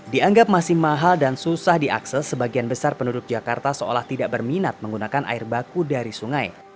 dianggap masih mahal dan susah diakses sebagian besar penduduk jakarta seolah tidak berminat menggunakan air baku dari sungai